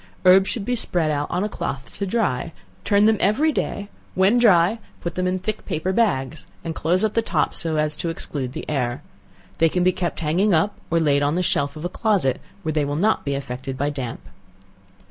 Herbs should be spread out on a cloth to dry; turn them every day; when dry, put them in thick paper bags, and close up the top, so as to exclude the air. They can be kept hanging up, or laid on the shelf of a closet, where they will not be affected by damp.